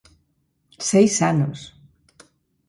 Seis anos.